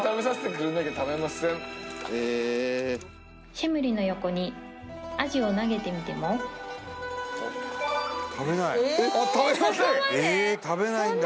シェムリの横にアジを投げてみてもあっ食べませんえっ食べないんだ